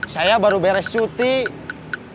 saya baru beres cutie